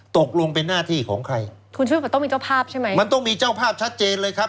ตกลงเป็นหน้าที่ของใครคุณชุวิตก็ต้องมีเจ้าภาพใช่ไหมมันต้องมีเจ้าภาพชัดเจนเลยครับ